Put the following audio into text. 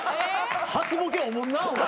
初ボケおもんなお前。